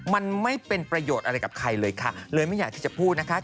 มันไม่เป็นประโยชน์อะไรกับใครเลยค่ะเลยไม่อยากที่จะพูดนะคะ